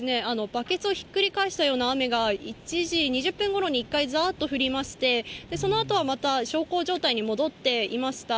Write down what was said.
バケツをひっくり返したような雨が１時間２０分ごろに一回、ざーっと降りまして、そのあとはまた小康状態に戻っていました。